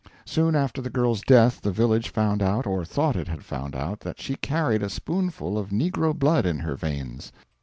Soon after the girl's death the village found out, or thought it had found out, that she carried a spoonful of negro blood in her veins.